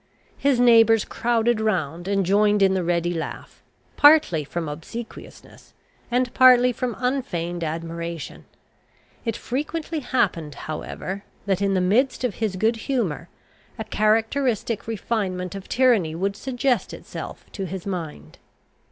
His neighbours crowded round, and joined in the ready laugh, partly from obsequiousness, and partly from unfeigned admiration. It frequently happened, however; that, in the midst of his good humour, a characteristic refinement of tyranny would suggest itself to his mind.